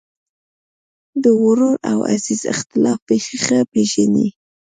د ورور او عزیز اختلاف بېخي ښه پېژني.